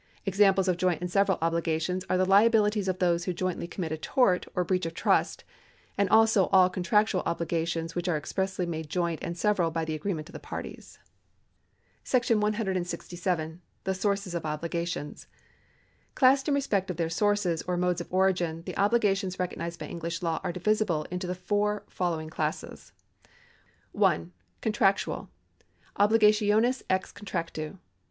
Examples of joint and several obligations are the liabilities of those who jointly commit a tort or breach of trust, and also all contractual obligations which are expressly made joint and several by the agreement of the parties. §167. The Sources of Obligations. Classed in respect of their soiu'ces or modes of origin, the obhgations recognised by English law are divisible into the following four classes : (1) Contractital — Obligatioues ex contractu.